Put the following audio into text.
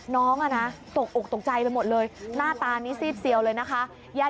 น้องตกอกตกใจไปหมดเลยหน้าตานี้ซีดเซียวเลยนะคะ